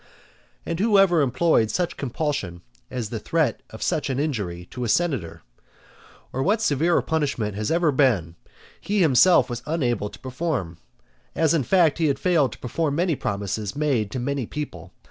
And who ever employed such compulsion as the threat of such an injury as to a senator? or what severer punishment has ever been he himself was unable to perform? As, in fact, he has failed to perform many promises made to many people.